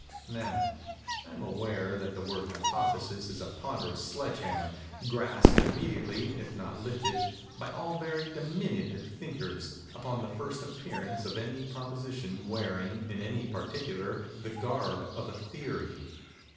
Now, I am aware that the word hypothesis is a ponderous sledge hammer, grasped immediately, if not lifted, by all very diminutive thinkers, upon the first appearance of any proposition wearing, in any particular, the garb of a theory.